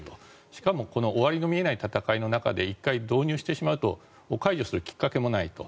しかも、終わりの見えない戦いの中で１回導入してしまうと解除するきっかけもないと。